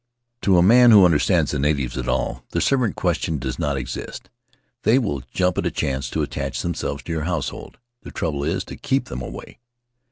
To a man who understands the natives at all the servant question does not exist; they will jump at a chance to attach themselves to your household — the trouble is to keep them away.